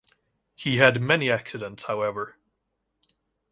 He had many accidents, however.